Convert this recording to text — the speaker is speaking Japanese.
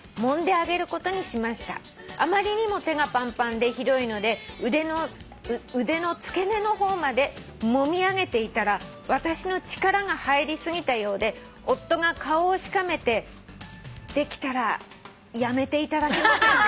「あまりにも手がパンパンでひどいので腕の付け根の方までもみ上げていたら私の力が入り過ぎたようで夫が顔をしかめて『できたらやめていただけませんか』」